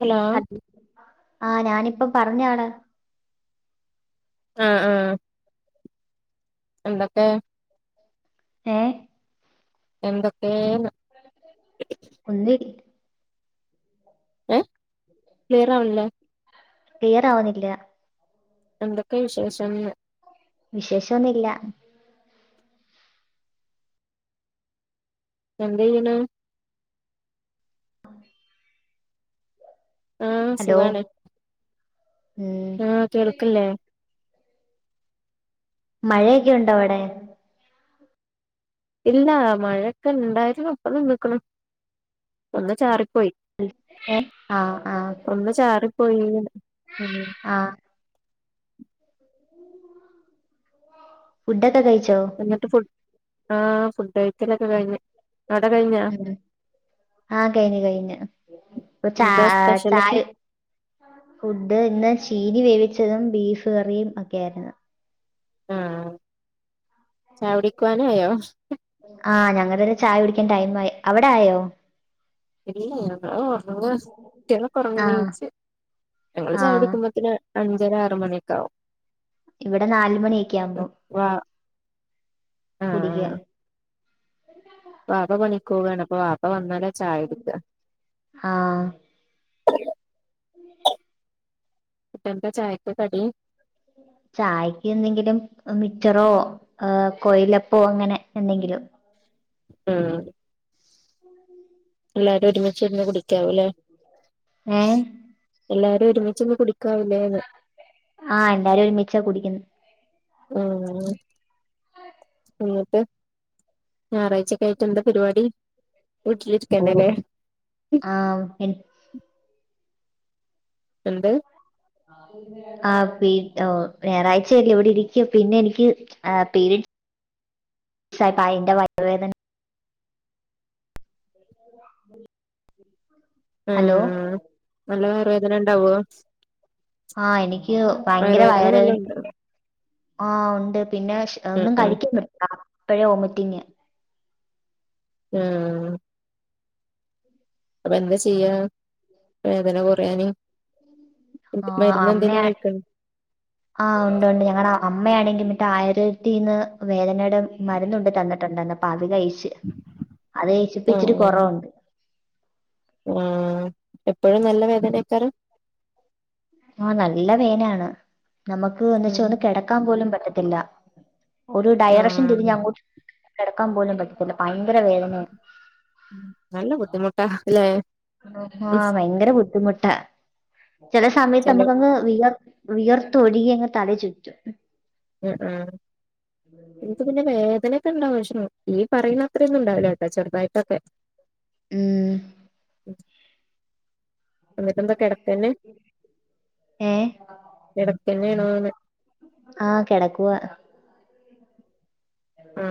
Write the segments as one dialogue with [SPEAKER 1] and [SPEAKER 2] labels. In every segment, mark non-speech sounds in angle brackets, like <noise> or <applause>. [SPEAKER 1] Hello
[SPEAKER 2] ആഹ ഞാനിപ്പ പറഞ്ഞാള്
[SPEAKER 1] അ ആ.. എന്തൊക്കെ
[SPEAKER 2] ഏ..
[SPEAKER 1] എന്തൊക്കെന്ന്
[SPEAKER 2] ഒന്നുൽ
[SPEAKER 1] എ ക്ലിയർ ആവ്ണില്ലെ
[SPEAKER 2] ക്ലിയർ ആവുന്നില്ല
[SPEAKER 1] എന്തൊക്കെ വിശേഷം ന്ന്
[SPEAKER 2] വിശേഷം ഒന്നുല്ല
[SPEAKER 1] എന്ത് എയ്യ്ണ്
[SPEAKER 2] <inaudible>
[SPEAKER 1] ആഹ
[SPEAKER 2] ഹലോ
[SPEAKER 1] സുഖാണ്
[SPEAKER 2] ഉം
[SPEAKER 1] ആഹ കേൾക്കല്ലേ
[SPEAKER 2] മഴയൊക്കെ ഉണ്ടോ അവിടെ
[SPEAKER 1] ഇല്ല മഴയൊക്കെ ഇണ്ടായിരുന്നു ഇപ്പൊ നിന്ന്ക്ണു ഒന്ന് ചാറി പോയി
[SPEAKER 2] ഏ ആ ആ
[SPEAKER 1] ഒന്ന് ചാറി പോയീന്ന്
[SPEAKER 2] ഫുഡ് ഒക്കെ കഴിച്ചോ
[SPEAKER 1] ആഹ ഫുഡ് കഴിക്കലൊക്കെ കഴിഞ്ഞ് അവിടെ കഴിഞ്ഞാ
[SPEAKER 2] ആഹ കയിഞ്ഞ് കയിഞ്ഞ്
[SPEAKER 1] എന്താ സ്പെഷ്യലൊക്കെ
[SPEAKER 2] ഇപ്പൊചായചായ് ഫുഡ് ഇന്ന് ഷീ <unintelligible> വേവിച്ചതും ബീഫ് കറിയും ഒക്കെ ആയിരുന്നു
[SPEAKER 1] ആഹ ചാവു ടിക്കാനായോ
[SPEAKER 2] ആഹ് ഞങ്ങടടെ ചായ കുടിക്കൻ ടൈം ആ അവിടെ ആയോ
[SPEAKER 1] ഇല്ല ഞങ്ങള് ഉറങ്ങുവ ട്ടികള്
[SPEAKER 2] ആ
[SPEAKER 1] ഉറങ്ങുന്നച്ച് ഞങ്ങള്
[SPEAKER 2] ആ
[SPEAKER 1] ചായ എടുക്കുമ്പത്തിന് അഞ്ചര ആറ്മണിയാെക്കെ ആവും
[SPEAKER 2] ഇവിടെ നാലുമണിയൊക്കെ ആകുമ്പം
[SPEAKER 1] വാ ആഹ്
[SPEAKER 2] കുടിക്ക്യ
[SPEAKER 1] വാപ്പ പണിക്കോവാണോ വാപ്പ വന്നാല ചായ ടിക്കാ
[SPEAKER 2] ആ
[SPEAKER 1] ഇപ്പ എന്തച്ചയക്ക് കടി
[SPEAKER 2] ചായക്ക് എന്തെങ്കിലും മിച്ചറോ കൊയിലപ്പോ അങ്ങനെ എന്തെങ്കിലും
[SPEAKER 1] ആഹ എല്ലാരും ഒരുമിച്ച് ഇരുന്ന് കുടിക്കാവൂല്ലേ
[SPEAKER 2] ഏ
[SPEAKER 1] ഒരുമിച്ചിന്ന് കുടിക്കാവൂലേന്ന്
[SPEAKER 2] ആഹ എല്ലാരും ഒരുമിച്ച കുടിക്കുന്നു
[SPEAKER 1] ഉം എന്നിട്ട് ഞായറാഴ്ചക്ക ആയിട്ട് എന്താ പരിപാടി
[SPEAKER 2] ഓ
[SPEAKER 1] വീട്ടിലിരിക്കന്നല്ലേ
[SPEAKER 2] ആഹ എ
[SPEAKER 1] എന്ത്
[SPEAKER 2] ആ പി ഓ ഞായറാഴ്ച അല്ലെ ഇവിടെ ഇരിക്കും പിന്നെ എനിക്ക് പിരീഡ്സ് ആയപ്പ അതിന്റെ വയർവേദന <unintelligible>
[SPEAKER 1] ആ
[SPEAKER 2] ഹലോ
[SPEAKER 1] നല്ല വയർ വേദന ഉണ്ടാവേ
[SPEAKER 2] ആഹ് എനിക്ക് ഭയങ്കര വയർ
[SPEAKER 1] നല്ല ഉണ്ടോ
[SPEAKER 2] വേദന ആഹ് ഉണ്ട് പിന്നെ
[SPEAKER 1] ആഹ്
[SPEAKER 2] ഒന്നും
[SPEAKER 1] ആഹ്
[SPEAKER 2] കഴിക്കാൻ പറ്റില്ല അപ്പോഴ ഓമിറ്റിങ്
[SPEAKER 1] ആഹ അപ്പൊ എന്താ ചെയ്യാ വേദന കൊറയാന്
[SPEAKER 2] ആ അമ്മ ഉണ്ട് ഉണ്ട് ഞങ്ങളമ്മ അമ്മയാണെങ്കിൽ എന്നിട്ട് ആയിരത്തിന്ന് വേദനയുടെ മരുന്നുന്ന് കൊണ്ട് തന്നിട്ടുണ്ടന്ന് പാവികഅപ്പ അത് കഴിച്ചു ച് അത്കഴിച്ചപ്പാ ഇച്ചിരി കൊറവുണ്ട്
[SPEAKER 1] ആഹ എപ്പോഴും നല്ല വേദനക്കാരം
[SPEAKER 2] ആഹ നല്ല പെയ്നാണ് നമുക്ക് എന്ന് വച്ചാ
[SPEAKER 1] ആഹ്
[SPEAKER 2] ഒന്ന് കിടക്കാൻ പോലും പറ്റത്തി ഇല്ല ഒരു ഡയറക്ഷൻ തിരിഞ്ഞ
[SPEAKER 1] ആഹ്
[SPEAKER 2] അങ്ങോട്ട് നടക്കാൻ പോലും പറ്റത്തില്ല ഭയങ്കര വേദനയാ
[SPEAKER 1] നല്ല ബുദ്ധിമുട്ടാ ല്ലേ
[SPEAKER 2] ആഹ ഭയങ്കര ബുദ്ധിമുട്ടാ ചില സമയത്ത്
[SPEAKER 1] ചെലോ
[SPEAKER 2] നമുക്കഗ് വിയർ വിയർത്ത ഒഴുകിയങ്ങ് തല ചുറ്റും
[SPEAKER 1] ആ ആ ഏനിക്ക് പിന്നെ വേദന ണ്ടാവും പക്ഷെ ഈ പറയുന്ന അത്ര ഒന്നും ഉണ്ടാവില്ല കേട്ടോ ചെറുതായിട്ടൊക്കെ
[SPEAKER 2] ഉം
[SPEAKER 1] <inaudible> എന്നിട്ട എന്തൊ കേടാപ്പനെ
[SPEAKER 2] ഏഹ്
[SPEAKER 1] കെടക്കാ <unintelligible>
[SPEAKER 2] ആഹ കിടക്കുവ
[SPEAKER 1] ആ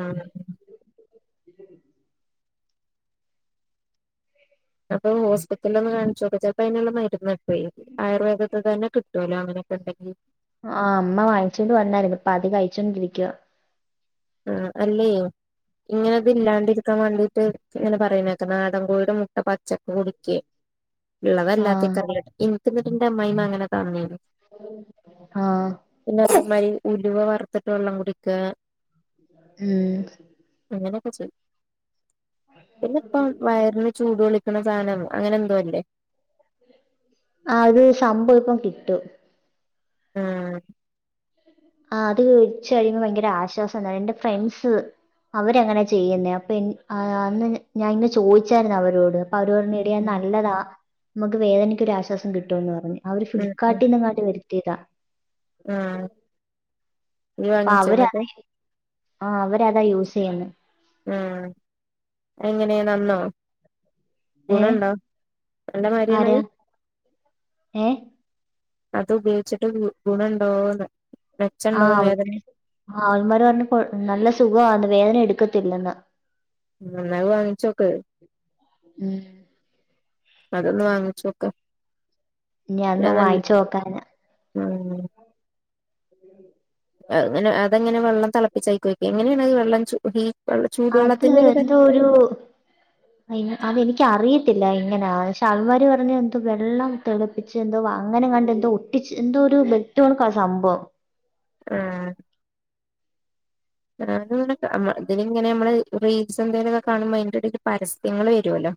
[SPEAKER 1] ന്നാ പോയി ഹോസ്പിറ്റൽ ഒന്ന് കാണിച്ചോക്ക് ചെൽപ്പം അയിൻ ഇള്ള മര്ന്ന് കി പോയി ആയുർവേദത്തിൽ തന്നെ കി കിട്ടോലോ അങ്ങനെയൊക്കെ ഇണ്ടെങ്കി
[SPEAKER 2] ആ അമ്മ വാങ്ങിച്ചോണ്ട് വന്നായിരുന്നു അപ്പ അത് കഴിച്ചോണ്ടിരിക്ക്യുവാ
[SPEAKER 1] ആ അല്ലേയ് ഇങ്ങനെയൊക്കെ ഇല്ലാണ്ട ഇരിക്കാൻ വാണ്ടീട്ട് ഇങ്ങനെ പറിണേക്ക നാടം കോഴിയുടെ മുട്ട പച്ചക്ക് കുടിക്കെ ഇള്ളത്
[SPEAKER 2] ആഹ്
[SPEAKER 1] അല്ലാത്തൊക്കെ അതിൽ ഇടും ത്ത് ഇന്നട്ട് ഇന്റെ അമ്മായിമ്മ അങ്ങനെ <unintelligible>
[SPEAKER 2] ആ
[SPEAKER 1] മാരി ഉലുവ വർത്തിട്ട് വെള്ളം കുടിക്കാ
[SPEAKER 2] ഉം
[SPEAKER 1] <unintelligible> പിന്നെ ഇപ്പം വയറിന് ചൂടോളി ക്ക്ണ സാനം അങ്ങനെ എന്തോ ഇല്ലേ
[SPEAKER 2] ആ ഇത് സംഭവം ഇപ്പം കിട്ടും
[SPEAKER 1] ഉം
[SPEAKER 2] ആ അത് വെച്ച് കഴിയുമ്പോ ഭയങ്കര ആശ്വാസം ഇണ്ടവും എൻ്റെ ഫ്രണ്ട്സ് അവരങ്ങനെ ചെയ്യ്ന്നെ അപ്പഞ് അന്ന് ഞാൻ ഇന്ന് ചോദിച്ചായിര്ന്നു അവരോട് അപ്പോ അവര് പറഞ്ഞു
[SPEAKER 1] ഉം
[SPEAKER 2] എടി അയ്
[SPEAKER 1] ഉം
[SPEAKER 2] നല്ലതാ മ്മക്ക് വേദനക്ക് ഒരു ആശ്വാസം കിട്ടുംന്ന് പറഞ്ഞ്. അവര് ഫ്ലിപ്കാർട്ട്ന്ന് എങ്ങണ്ട് വെ ത്തി താ
[SPEAKER 1] ആ നീ
[SPEAKER 2] അപ്പൊ
[SPEAKER 1] വാങ്ങിച്ചോ
[SPEAKER 2] അവരാ
[SPEAKER 1] ഇന്നട്ട്
[SPEAKER 2] ആ അവരതാ യൂസ് ചെയ്യ്ന്നെ
[SPEAKER 1] ഉം എങ്ങനെ നന്നോ
[SPEAKER 2] ഏ
[SPEAKER 1] ഗുണണ്ടോ അന്റെ മരിയാണ്
[SPEAKER 2] ആരാ
[SPEAKER 1] അഹ്‌
[SPEAKER 2] ഏ
[SPEAKER 1] അത് ഉപയോയിച്ചിട്ട് ഗു ഗുണണ്ടാേന്ന്
[SPEAKER 2] ആ അവ ആ അവന്മാര് പറഞ്ഞ് കൊഴ് നല്ല സുഖവാണ് വേദന എടുക്കത്തില്ലെന്ന്
[SPEAKER 1] ഇന്നാ അഹ്‌ വാങ്ങിച്ചോക്ക്
[SPEAKER 2] ഉം
[SPEAKER 1] അതൊന്ന് വാങ്ങിച്ചോക്കാ
[SPEAKER 2] ഇഞ് അ ഒന്ന് വാങ്ങിച്ച് നോക്കാനാ
[SPEAKER 1] ഉം
[SPEAKER 2] <unintelligible>
[SPEAKER 1] അഹ്ങ്ങനെ അതെങ്ങനെ വെള്ളം തെളപ്പിച്ച് ആയിക്ക് ഒഴിക്കെ എങ്ങനെയാണ് അഹ്‌ വെള്ളം ചൂ <unintelligible>
[SPEAKER 2] അത്
[SPEAKER 1] ചൂടുവെള്ളത്തിന്റെ
[SPEAKER 2] എന്തോ ഒരു
[SPEAKER 1] തന്നേക്കാരം
[SPEAKER 2] അയിന് അതെനിക്കു അറിയ ത്തില്ല ഇങ്ങനെ ശ അവന്മാര് പറഞ്ഞ് എന്തോ വെള്ളം തിളപ്പിച്ച് എന്തോ അങ്ങനങ്ങാണ്ട് എന്തോ ഒട്ടിച്ച് എന്തോ ഒരു ബെഡ് ആ സംഭവം
[SPEAKER 1] ഉം <unintelligible> ഇതില് ഇങ്ങനെ നമ്മള് റീൽസ് എന്തേലും കാണുമ്പോ അതിൻ്റെടെൽ പരസ്യങ്ങള് വരുമല്ലോ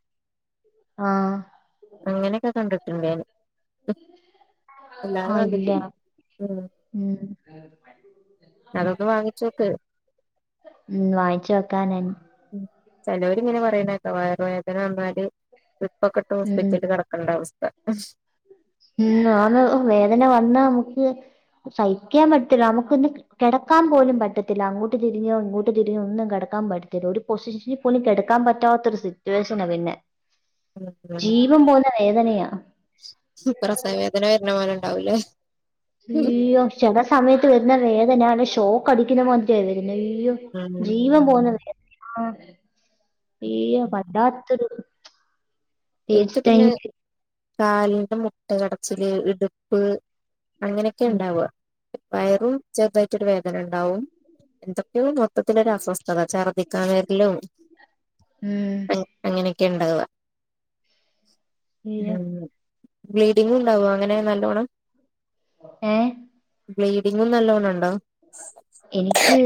[SPEAKER 2] ആഹ്
[SPEAKER 1] അങ്ങനെയൊക്കെ കണ്ട് <unintelligible>
[SPEAKER 2] ആഹ് ഇല്ല
[SPEAKER 1] ഉം
[SPEAKER 2] ഉം
[SPEAKER 1] അതൊന്ന് വാങ്ങിച്ചോക്ക്
[SPEAKER 2] ഉം വായിച്ച് നോക്കാനെ
[SPEAKER 1] ഉം ചെലൊരിങ്ങനെ പറയുന്നേക്കെ <unintelligible> പൊക്കെട്ട്
[SPEAKER 2] ഉം
[SPEAKER 1] ഹോസ്പിറ്റില് കടക്കണ്ട അവസ് <unintelligible>
[SPEAKER 2] ഉം ആന്ന് വേദന വന്നാ മ്മക്ക് സഹിക്കാൻ പറ്റില്ലാ നമക്കൊന്ന് കെടക്കാൻ പോലും പറ്റത്തില്ല അങ്ങോട്ട് തിരിഞ്ഞോ ഇങ്ങോട്ട് തിരിഞ്ഞോ ഒന്നും കെടക്കാൻ പറ്റത്തില്ല ഒര് പൊസിഷനിൽ പോലും കെടക്കാൻ പറ്റാത്തൊരു സിറ്റുവേഷനാ പിന്നെ ജീവപേന്ന വേദനയാ
[SPEAKER 1] പ്രസവ വേദന വരണപോലെണ്ട് ഉണ്ടാവുല്യേ
[SPEAKER 2] ഇയ്യോ ചെലാസമയത്ത് വരുന്ന വേദ ഞാൻ ഷോക്ക് അടിക്കുന്നാമതിരിയാ വെര് അയ്യോ
[SPEAKER 1] ഉം
[SPEAKER 2] ജീവൻപോന്ന വേദനയാ <inaudible> ഇയ്യോ പറ്റാത്തെരു ഏജ്
[SPEAKER 1] എനിക്ക്
[SPEAKER 2] ടൈം
[SPEAKER 1] പിന്നെ കാലിന്റെ മുട്ട് കടച്ചില്, ഇട്പ്പ് അങ്ങനെയൊക്കെ ഒ ഉണ്ടാവ വയറും ചെറുതായി രു വേദനുണ്ടാവും എന്തൊക്കെയോ മൊ മൊത്തത്തിലൊര് അസ്വസ്ഥത ഛർദിക്കാൻ വരലു
[SPEAKER 2] ഉം
[SPEAKER 1] അങ്ങ് അങ്ങനെയെ ക്കെണ്ടാവ
[SPEAKER 2] അയ്യോ
[SPEAKER 1] ഉം ബ്ലീഡിംങ്ങും ഒണ്ടാവോ അങ്ങനെ നല്ലോണം
[SPEAKER 2] ഏ
[SPEAKER 1] ബ്ലീഡിങ്ങും നല്ലോണ്ണുണ്ടോ
[SPEAKER 2] എനിക്ക്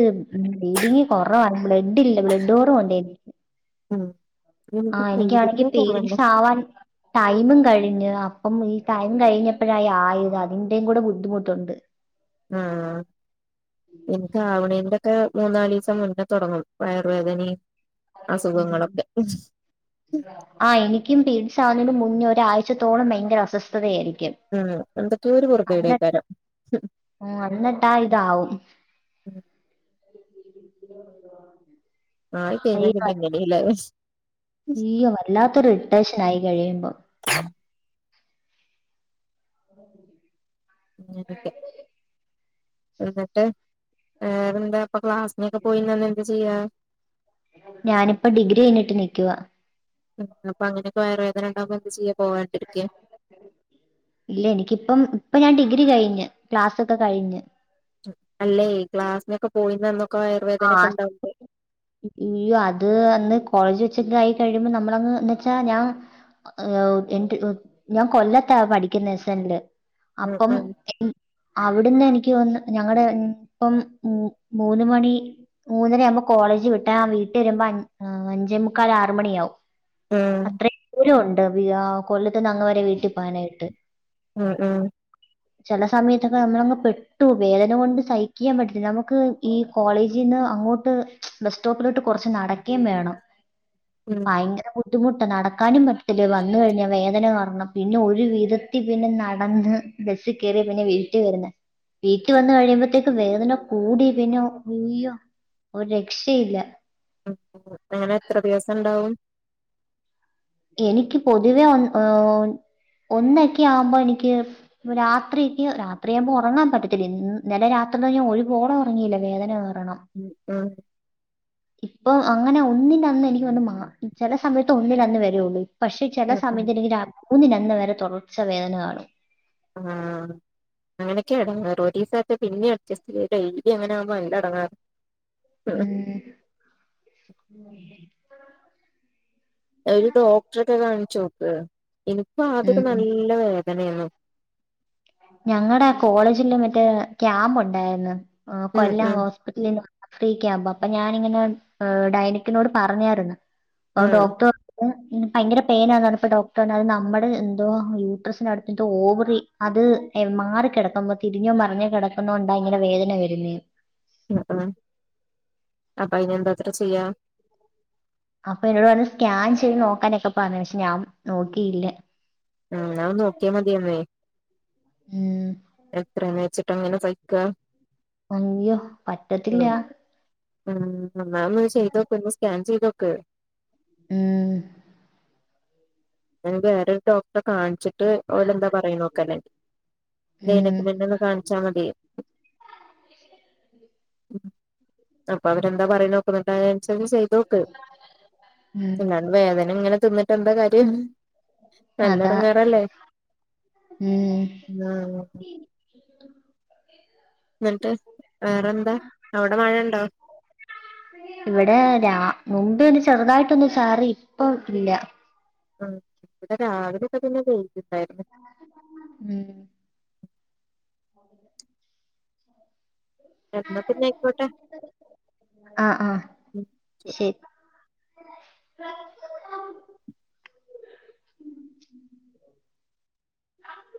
[SPEAKER 2] ബ്ലീഡിങ്ങ് കൊറവാണ് ബ്ലഡില്ല ബ്ലഡ്കൊറവ് ഉണ്ടേ
[SPEAKER 1] ഉം
[SPEAKER 2] ആ എനിക്കാണെങ്കി പിരീഡ്‌സ് ആവാൻ ടൈമും കഴിഞ്ഞ് ആ അപ്പം ഈ ടൈമം കഴിഞ്ഞപ്പോഴെ യായത് അതിൻ്റെം കൂടി ബുദ്ധിമെട്ടുണ്ട്
[SPEAKER 1] ആഹ് എനിക്കാവണേൻ്റെ ഒക്കെ മൂന്നാല് ദിസം മുന്നേ തൊടങ്ങും വയറ് വേദനീം
[SPEAKER 2] ആ എനിക്കും പിരിസ് ആ മുന്നേ ഒരാഴേച്ച്ത്തോളം ഭയര അസ്വസ്ഥത ആയിരിക്കും
[SPEAKER 1] എന്തൊക്കെ ഒരു പൊർത്യേട് ആയിരിക്കും
[SPEAKER 2] ഉം എന്നിട്ടാ ഇതാവും <inaudible>
[SPEAKER 1] ആയിക്കെയിഞ്ഞാ പിന്നങ്ങനീല്ലേ
[SPEAKER 2] യ്യോ വല്ലാത്തൊരിറിട്ടേഷനായി കഴിയുമ്പോ
[SPEAKER 1] <inaudible> <unintelligible> എന്നട്ട് വേറെന്താപ്പൊ ക്ലാസിനൊക്കെ പോയീന്നന്ന് എന്ത് ചെയ്യാ
[SPEAKER 2] ഞാനിപ്പ ഡിഗ്രി കഴിഞ്ഞിട്ട് നിക്കുവാ
[SPEAKER 1] ഉം അപ്പങ്ങനെയൊക്കെ വയറുവേദനണ്ടാവുമ്പോ എന്ത് ചെയ്യ പോവാണ്ടിരിക്ക്യ
[SPEAKER 2] ഇല്ല എനിക്കിപ്പം ഇപ്പ ഞാൻ ഡിഗ്രി കയിഞ്ഞ് ക്ലാസ്സൊക്ക കഴിഞ്ഞ്
[SPEAKER 1] അല്ലേയ് ക്ലാസ്സിനൊക്കെ പോയിന്നന്നൊക്ക്
[SPEAKER 2] ആ <inaudible> ഉയ്യോ അത് അന്ന് കോളേജിവെച്ച് ഉച്ചെക്കായി കഴിയുമ്പം നമ്മളങ്ങ് എന്നുവെച്ചാ ഞാൻ <unintelligible> ഞാൻ കൊല്ലത്താ പഠിക്കുന്നെ എസ്സെൻല്
[SPEAKER 1] ഉം
[SPEAKER 2] അപ്പം
[SPEAKER 1] ഉം
[SPEAKER 2] എ <inaudible> അവിടുന്നെനിക് ത്തിയൊന്ന് ഞങ്ങള് ഉം പ്പം മൂ മൂന്ന് മണി മൂന്നരയാവുമ്പോ കോളേജ് വിട്ടാ വീട്ടിയരുമ്പ അഞ് ആ അഞ്ചേ മുക്കാൽ ആറ് മണിയാവും
[SPEAKER 1] ഉം
[SPEAKER 2] അത്ര <inaudible> ദൂരവൊൺ ട്ടവിയാ കൊല്ലത്ത്ന്ന് അങ്ങ് വരെ വീട്ടി പോവാനായിട്ട്
[SPEAKER 1] ആഹ് ആഹ്
[SPEAKER 2] ചെല സമയത്തൊക്കെ നമ്മളങ്ങ് പെട്ടൂ വേദന കൊണ്ട് സഹിക്ക്യാൻ പറ്റത്തില്ല നമുക്ക് ഈ കോളേജ് ജീന്ന് അങ്ങോട്ട് <inaudible> ബസ് സ്റ്റോപ്പിലോട്ട് കുറച്ച് നടക്കേം വേണം
[SPEAKER 1] ഉം
[SPEAKER 2] ഭയങ്കര ബുദ് ദ്ധിമുട്ട നടക്കാനും പറ്റത്തില്ല വന്ന് കഴിഞ്ഞാ വേദന കാരണം പിന്നെ ഒരു വിധത്തി പിന്നെ നടന്ന് ബസ്സി കേറിയ പിന്നെ വീട്ടീ വരുന്നെ വീട്ടി വന്ന് കഴിയുമ്പത്തേക്കും വേദന കൂടി പിന്നെ ഉയ്യോ ഒരുരക്ഷയില്ല
[SPEAKER 1] <inaudible> അങ്ങനെ എത്ര ദിവസണ്ടാവും
[SPEAKER 2] എനിക്ക് പൊതുവെ ഒന്ന് <inaudible> ഒന്നെക്കെയാവുമ്പോ എനിക്ക് രാത്രിക്ക് രാത്രിയാമ്പോ ഒറങ്ങാൻ പറ്റത്തില്ല ഇന്ന് നലെ രാത്രി ഞാ ഒരുപോള ഒറങ്ങീല വേദന കാർ
[SPEAKER 1] ഉം ഉം
[SPEAKER 2] ഇപ്പൊ അങ്ങനെ ഒന്നിൻ്റന്നെനിക്ക് വന്ന് മാ ഉം ചെല സമയത്ത് ഒന്നിൻ്റന്ന് വര് <unintelligible> പക്ഷേ ചെല
[SPEAKER 1] ഉം ഉം
[SPEAKER 2] സമയത്തെനിക്ക് രാ <inaudible> മൂന്നിൻ്റന്ന് വരെ തൊടർച്ച വേദന കാണും
[SPEAKER 1] ആഹ് അങ്ങനൊക്കെയാണ് <inaudible> റൊരീസ റ്റെ പിന്നേ അഡ്ജസ്റ്റ് ഡെയിലി അങ്ങനാമ്പോ നല്ലെടങ്ങേ
[SPEAKER 2] ഏഹ്
[SPEAKER 1] ഒരു ഡോക്ടറെക്കെ കാണ് ചോക്ക് എനിക്കും ആദ്യക്കെ
[SPEAKER 2] ഉം.
[SPEAKER 1] നല്ല വേദ തന്നെ ഒന്നും
[SPEAKER 2] ഞങ്ങടെ കോളേജില് മറ്റേ ക്യാമ്പ് ഒണ്ടാരുന്നു ആ
[SPEAKER 1] ഉം
[SPEAKER 2] കൊല്ലം
[SPEAKER 1] ഉം
[SPEAKER 2] ഹോസ്പ്റ്റിലില് ഫ്രീക്കെ ആകുമ്പോ അപ്പൊ ഞാനിങ്ങനെ ഡൈനക്കിനോട് പറഞ്ഞാരുന്നു ആ
[SPEAKER 1] ഉം
[SPEAKER 2] ഡോക്ടർ <unintelligible> ഭയങ്കര പെനാന്ന് പ്പൊ ഡോക്ടർ പറഞ്ഞ അത് നമ്മുടെ എന്തോ യൂട്രസിന അടുത്തത്തെ ഓവറി അത് എ മാറിക്കിടക്കുമ്പോ തിരിഞ്ഞോ മറിഞ്ഞോ കിടക്കുന്നൊണ്ടാ ഇങ്ങനെ വേദന വരുന്നേ
[SPEAKER 1] ആ ആ അപ്പ അയിന് എന്താത്ര ചെയ്യാ
[SPEAKER 2] അപ്പൊ എന്നോട് പറഞ്ഞത് സ്കാൻ ചെയ്ത് നോക്കാനൊക്കെ പറഞ് പക്ഷെ ഞാൻ നോക്കിയില്ല
[SPEAKER 1] ഉം ന്ന ഒന്ന് നോക്കിയ മതിയന്നേ
[SPEAKER 2] ഉം
[SPEAKER 1] എത്രന്ന് വെച്ച് ഇപ്പങ്ങനെ സഹിക്ക
[SPEAKER 2] അയ്യോ പറ്റത്തില്ല
[SPEAKER 1] ഉം എന്നാ ഒന്ന് ചെയ്തോക്ക് ഒന്ന് സ്കാൻ ചെയ്തോക്ക്
[SPEAKER 2] ഉം
[SPEAKER 1] എന്നിട്ട് വേറൊരു ഡോക്ടറെ കാണിച്ച് ട്ട് ഓലെന്താ പറയുന്ന നോക്കന്നേ
[SPEAKER 2] ഉം
[SPEAKER 1] ഗൈനക്കിനെന്നേ ഒന്ന് കാണിച്ചാൽ മതിയെ ഉം അപ്പൊ അവരെന്താ പറയ്ണെ നോക്കത് റ്റെം ചെന്ന് ചെയ്തോക്ക്
[SPEAKER 2] ഉം
[SPEAKER 1] ഇങ്ങനെ വേദന ഇങ്ങനെ തിന്നിട്ടെന്താ കാര്യം
[SPEAKER 2] അതാ
[SPEAKER 1] നല്ലഎടങ്ങേറല്ലേ
[SPEAKER 2] ഉം
[SPEAKER 1] ആ എന്നിട്ട് വേറെന്താ അവിടെ മഴണ്ടോ
[SPEAKER 2] ഇവിടെ രാ മുമ്പേ ഒന്ന് ചെറുതായിട്ടൊന്നു ചാറി ഇപ്പൊ ഇല്ല
[SPEAKER 1] ഉം ഇവിടെ രാവിലെയക്കെ പിന്നെ വെയിലുണ്ടാരുന്നു
[SPEAKER 2] ഉം
[SPEAKER 1] എന്നാ പിന്നെ ആയിക്കോട്ടെ
[SPEAKER 2] ആഹ് ആഹ് ശെരി ഡ്രസ്സ്‌ താ